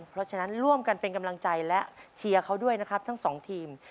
เพราะฉะนั้นร่วมกันเป็นกำลังใจและเชียร์เขาด้วยนะครับทั้งสองทีม